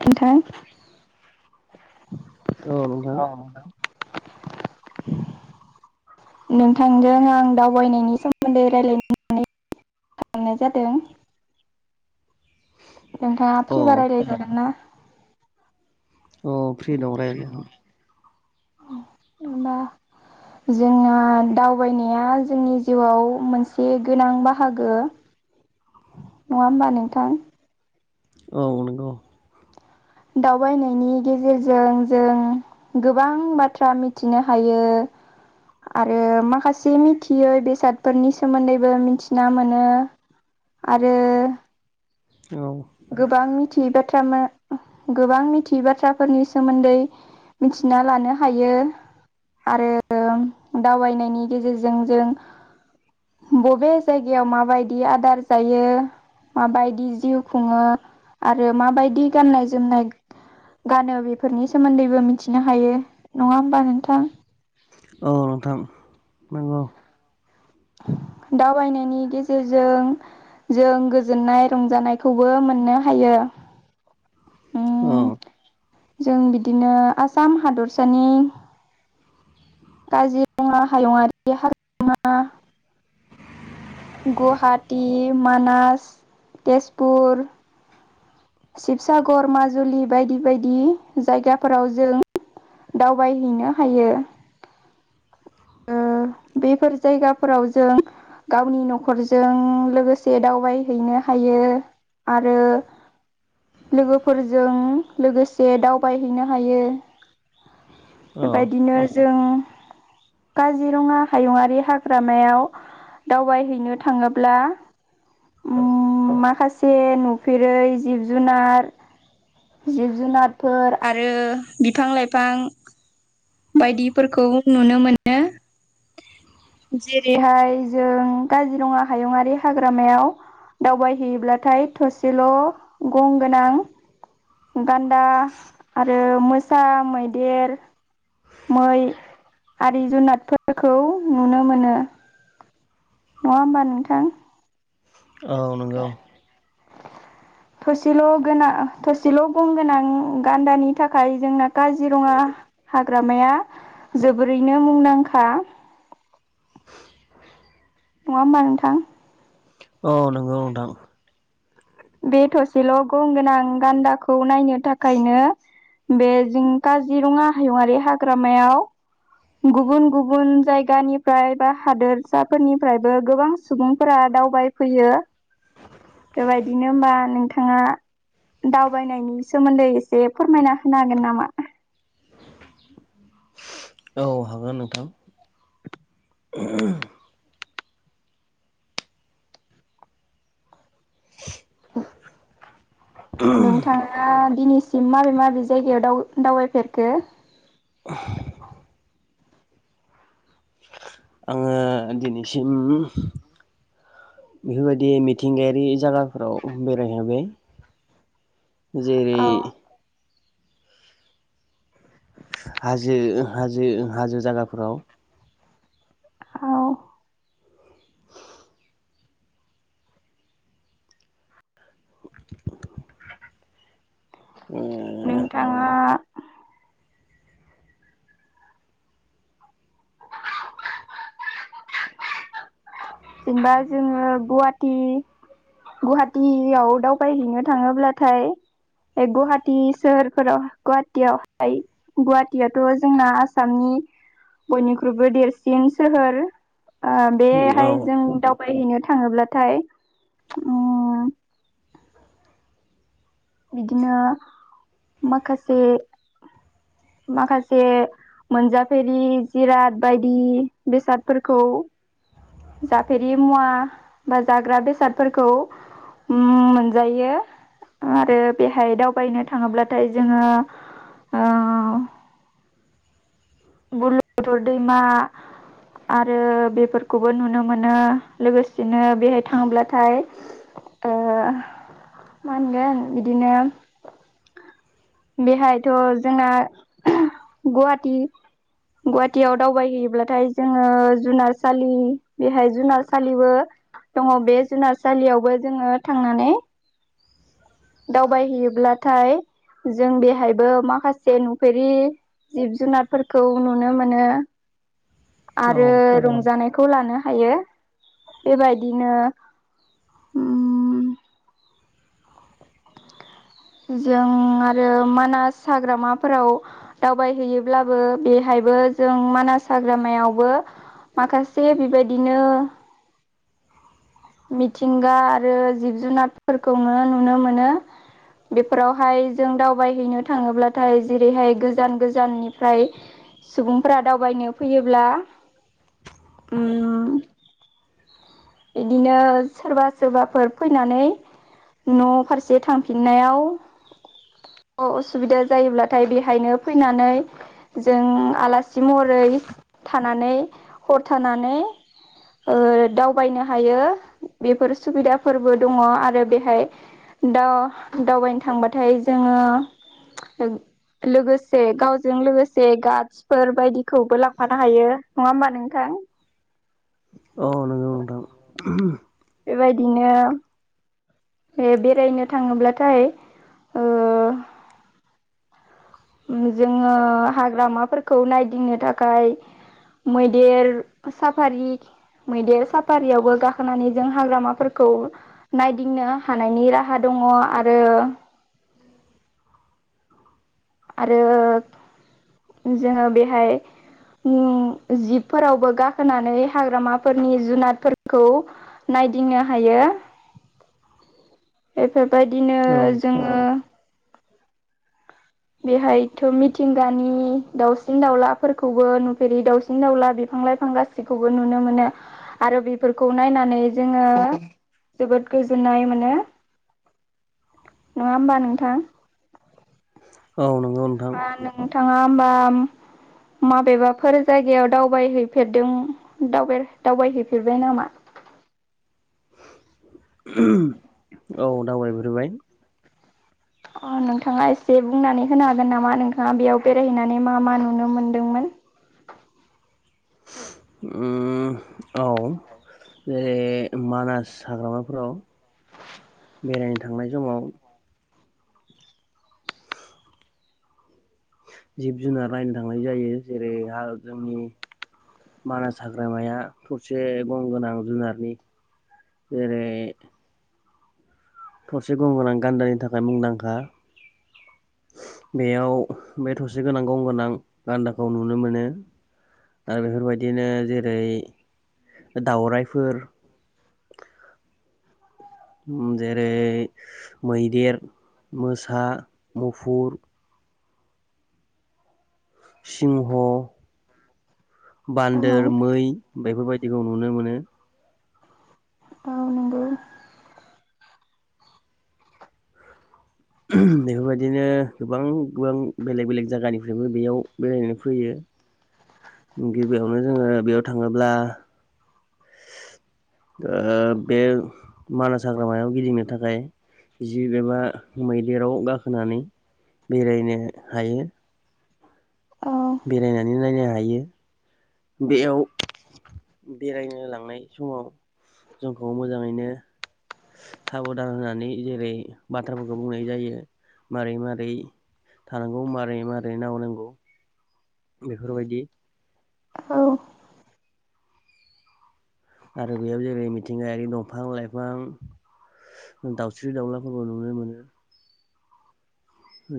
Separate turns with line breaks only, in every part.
नोंथां
औ नोंथां
[unintelligible] नोंथांजों आं दावबायनायनि सोमोन्दै रायज्लायनो खालामनाय जादों। नोंथांङा फ्रि बा
अ
रायलायजागोन ना?
अ फ्रि दं रायलायनो
[unintelligible] जोंहा दावबायनाया जोंनि जिउआव मोनसे गोनां बाहागो नंङा होमबा नोंथां
औ नंगौ
दावबायनायनि गेजेरजों जों गोबां बाथ्रा मिथिनो हायो। आरो माखासे मिथियै बेसादफोरनि सोमोन्दैबो मिथिना मोनो आरो
औ
गोबां मिथियै बाथ्रा गोबां मिथियै बाथ्राफोरनि सोमोन्दै मिथिना लानो हायो आरो दावबायबायनायनि गेजेरजों जों बबे जायगायाव माबायदि आदार जायो माबायदि जिउ खुंङो आरो माबायदि गाननाय जोमनाय गानो बेफोरनि सोमोन्दैबो मिथिनो हायो, नङा होमबा नोंथां?
औ नोंथां नंगौ।
दावबायनायनि गेजेरजों जों गोजोननाय रंजानायखौबो मोननो हायो। उम
औ।
जों बिदिनो आसाम हादरसानि काजिरङा हायुङारि हाग्रामा गुवाहाटि, मानास, तेजपुर, शिबसागर, माजुलि बायदि बायदि जायगाफोराव जों दावबायहैनो हायो। ओ बेफोर जायगाफोराव जों गावनि न'खरजों लोगोसे दावबायहैनो हायो आरो लोगोफोरजों लोगोसे दावबायहैनो हायो।
औ
बेबायदिनो जों काजिरङा हायुङारि हाग्रामायाव दावबायहैनो थाङोब्ला माखासे नुफेरै जिब जुनार जिब जुनारफोर आरो बिफां लाइफां बायदिफोरखौ नुनो मोनो। जेरैहाय जों काजिरङा हायुंङारि हाग्रामायाव दावबायहैयोब्लाथाय थसेल' गं गोनां गान्दा आरो मोसा, मैदेर, मै आरि जुनादफोरखौ नुनो मोनो। नङा होमबा नोंथां?
औ नंगौ।
[inaudible] थसेल' गोना थसेल' गं गोनां गान्दानि थाखाय जोंना काजिरङा हाग्रामाया जोबोरैनो मुंदांखा। नङा होमबा नोंथां?
औ नोंगौ नोंथां।
बे थसेल' गं गोनां गान्दाखौ नायनो थाखायनो बे जों काजिरङा हायुङारि हाग्रामायाव गुबुन गुबुन जायगानिफ्राय बा हादोरसाफोरनिफ्रायबो गोबां सुबुंफोरा दावबाय फैयो। बेबायदिनो होमबा नोंथाङा दावबायनायनि सोमोन्दै एसे फोरमायना होनो हागोन नामा?
औ हागोन नोंथां।
औ नोंथाङा दिनैसिम माबे माबे जायगायाव दाव-दावबायफेरखो?
आङो दिनैसिम बेफोरबायदि मिथिंगायारि जायगाफोराव बेरायहैबाय। जेरै
औ
हाजो हाजो हाजो जायगाफोराव।
औ।
ओ
नोंथाङा जेनबा जोङो गुवाहाटि गुवाटियाव दावबायहैनो थाङोब्लाथाय गुहाटि सोहोरफोराव गुवाहाटियावहाय गुवाटियाथ' जोंना आसामनि बयनिख्रुइबो देरसिन सोहोर।
औ
बेहाय जों दावबायहैनो थाङोब्लाथाय उम बिदिनो माखासे माखासे मोनजाफेरि जिराद बायदि बेसादफोरखौ जाफेरि मुवा बा जाग्रा बेसादफोरखौ मोनजायो आरो बेहाय दावबायनो थाङोब्लाथाय जोङो ओ बुरलुंबुथुर दैमा आरो बेफोरखौबो नुनो मोनो लोगोसेनो बेहाय थांब्लाथाय ओ मोगोन बिदिनो बेहायथ' जोंना गुवाहाटी गुवाहाटियाव दावबायहैयोब्लाथाय जोङो जुनारसालि बेहाय जुनारसालिबो दङ बे जुनारसालियावबो जोङो थांनानै दावबायहैयोब्लाथाय जों बेहायबो माखासे नुफेरि जिब जुनारफोरखौ नुनो मोनो
औ
आरो रंजानाय खौ लानो हायो बेबायदिनो उम जों आरो मानास हाग्रामाफोराव दावबायहैयोब्लाबो बेहायबो जों मानास हाग्रामायावबो माखासे बेबायदिनो मिथिंगा आरो जिब जुनारफोरखौनो नुनो मोनो बेफोरावहाय जों दावबायहैनो थाङोब्लाथाय जेरैहाय गोजान गोजाननिफ्राय सुबुंफोरा दावबायनो फैयोब्ला उम
[inaudible]
बिदिनो सोरबा सोरबाफोर फैनानै न' फारसे थांफिननायाव असुबिदा जायोब्लाथाय बेहायनो फैनानै जों आलासि महरै थानानै हर थानानै ओ दावबायनो हायो बेफोर सुबिदाफोरबो दङ आरो बेहाय दा दावबायनो थांबाथाय जोङो लोगोसे गावजों लोगोसे गा फोर बायदिखौबो लांफानो हायो नङा होमबा नोंथां
अ नंगौ नोंथां
बेबायदिनो बेरायनो थाङोब्लाथाय ओ जोङो हाग्रामाफोरखौ नायदिंनो थाखाय मैदेर साफारि मैदेर साफारियावबो गाखोनानै जों हाग्रामाफोरखौ नायदिंनो हानायनि राहा दङ आरो आरो जोङो बेहाय जिबफोरावबो गाखोनानै हाग्रामाफोरनि जुनारफोरखौ नायदिंनो हायो बेफोरबायदिनो
औ
जों बेहायथ' मिथिंगानि दाउसिन दाउलाफोरखौबो नुफेरि दाउसिन दाउला बिफां लाइफां गासि खौबो नुनो मोनो आरो बेफोरखौ नायनानै जोङो जोबोद गोजोननाय मोनो नङा होमबा नोंथां [inaudible]
औ नंगौ नोंथां
ओ नोंथाङा होमबा माबेबाफोर जायगायाव दावबायहैफेरदों दावबायहैफेरबाय नामा
औ दावबायहैफेरबाय
अ नोंथाङा एसे बुंनानै होनो हागोन नामा नोंथाङा बेयाव बेरायहैनानै मा मा नुनो मोनदोंमोन
उम औ जेरै मानास हाग्रामाफोराव बेरायनो थांनाय समाव जिब जुनार रायनो थांनाय जायो जेरै आ जोंनि‌ मानास हाग्रामाया थरसे गं गोनां जुनारनि जेरै थरसे गं गोनां गान्दानि थाखाय मुंदांखा। बेयाव बे थसे गोनां गं गोनां गान्दाखौ नुनो मोनो। आरो बेफोरबायदिनो जेरै दावरायाइफोर उम जेरै मैदेर, मोसा, मुफुर, सिंह,
औ
बान्दोर, मै बेफोर बायदिखौ नुनो मोनो।
औ नोंगौ।
बेफोर बायदिनो गोबां गोबां बेलेग बेलेग जायगानिफ्रायबो बेयाव बेरायनो फैयो।
[inaudible]
गिबियावनो जोङो बेयाव थाङोब्ला
[inaudible]
ओ बे मानास हाग्रामायाव गिदिंनो थाखाय। जिब एबा मैदेराव गाखोनानै बेरायनो हायो
औ
बेरायनानै नायनो हायो - बेयाव बेरायनो लांनाय समाव जोंखौ मोजाङैनो साबधान होनानै जेरै बाथ्राफोरखौ बुंनाय जायो मारै मारै थानांगौ मारै मारै नाहरनांगौ बेफोरबायदि
औ
आरो बेयाव जेरै मिथिंगायारि दंफां-लाइफां दाउस्रि दाउलाफोरबो नुनो मोनो।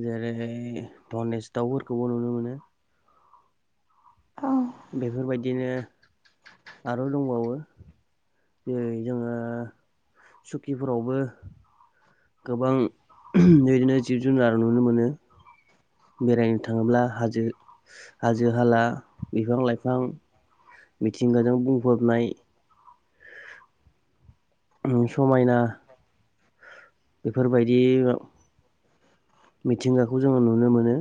जेरैहाय धनेस दाावफोरखौबो नुनो मोनो।
औ
बेफोरबायदिनो आरो' दंबावो जेरै जोङो सुकिफोरावबो गोबां बिदिनो जिब जुनार नुनो मोनो। बेरायनो थाङोब्ला हाजो हाजो-हाला बिफां-लाइफां मिथिंगाजों बुंफबनाय उम समायना बेफोरबायदि मिथिंगाखौ जोङो नुनो मोनो।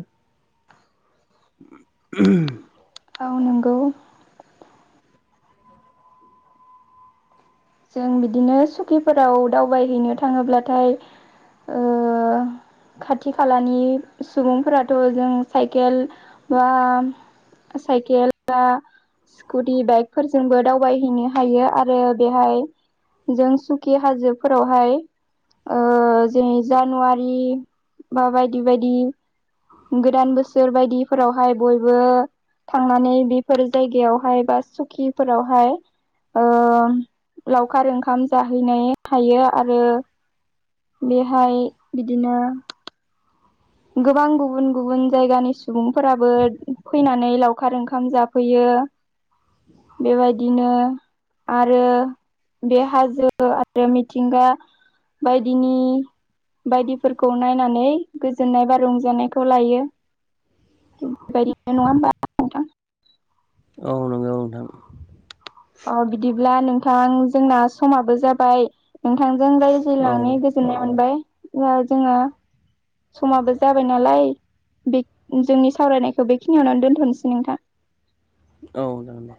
[unintelligible]
औ नंगौ। जों बिदिनो सुकिफोराव दावबायहैनो थाङोब्लाथाय ओ खाथि खालानि सुबुंफोराथ' जों साइकेल बा साइकेल बा स्कुटि बाइकफोरजोंबो दावबायहैनो हायो आरो बेहाय जों सुकि हाजोफोरावहाय। ओ जे जानुवारि बा बायदि बायदि गोदान बोसोर बायदि फोरावहाय बयबो थांनानै बेफोर जायगायावहाय बा सुकिफोरावहाय ओ लावखार ओंखाम जाहैनाय थायो आरो बेहाय बिदिनो गोबां गुबुन गुबुन जायगानि सुबुंफोराबो फैनानै लावखार ओंखाम जाफैयो। बेबायदिनो आरो बे हाजो आरो मिथिंगा बायदिनि बायदिफोरखौ नायनानै गो जोननाय बा रंजानायखौ लायो। थिक बेबायदिनो नङा होमबा? नोंथां
औ नंगौ नोंथां।
अ बिदिब्ला नोंथां जोंना समाबो जाबाय नोंथांजों रायज
औ
लांनानै गोजोननाय मोनबाय दा जोङो समाबो जाबाय नालाय बे जोंनि सावरायनायखौ बेखिनियावनो दोन्थ'नोसै नोंथां
औ जागोन दे